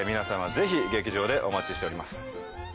ぜひ劇場でお待ちしております